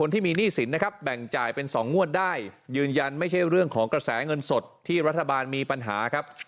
ที่มีหนี้สินนะครับแบ่งจ่ายเป็น๒งวดได้ยืนยันไม่ใช่เรื่องของกระแสเงินสดที่รัฐบาลมีปัญหาครับ